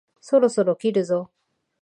そろそろ切るぞ？